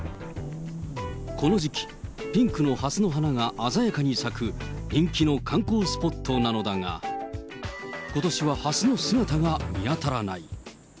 この時期、ピンクのハスの花が鮮やかに咲く人気の観光スポットなのだが、ことしはハスの姿が見当たらない。